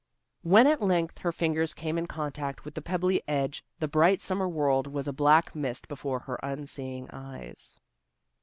When at length her fingers came in contact with the pebbly edge the bright summer world was a black mist before her unseeing eyes.